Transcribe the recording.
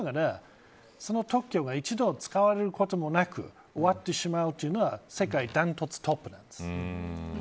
ただ、残念ながらその特許が１度使われることもなく終わってしまうというのは世界、断トツトップなんです。